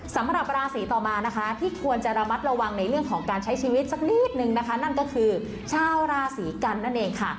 สำหรับราศีต่อมานะคะที่ควรจะระมัดระวังในเรื่องของการใช้ชีวิตสักนิดนึงนะคะนั่นก็คือชาวราศีกันนั่นเองค่ะ